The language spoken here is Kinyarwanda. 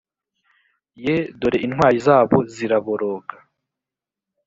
ye dore intwari zabo ziraboroga